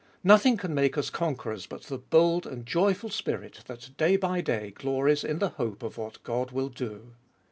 Nothing can make us con querors but the bold and joyful spirit that day by day glories in the hope of what God will do.